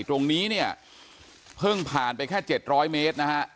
ตรงนี้เนี่ยเพิ่งผ่านไปแค่๗๐๐เมตรนะฮะ